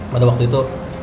pada waktu itu